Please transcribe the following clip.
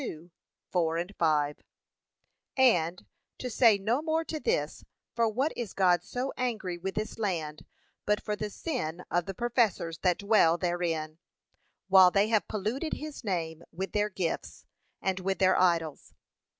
2:4, 5) And, to say no more to this, for what is God so angry with this land, but for the sin of the professors that dwell therein, while they have polluted his name with their gifts, and with their idols?